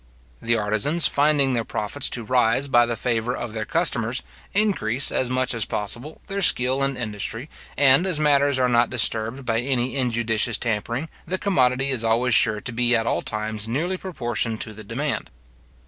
The artizans, finding their profits to rise by the favour of their customers, increase, as much as possible, their skill and industry; and as matters are not disturbed by any injudicious tampering, the commodity is always sure to be at all times nearly proportioned to the demand.